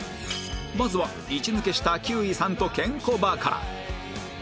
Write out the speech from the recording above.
まずは一抜けした休井さんとケンコバから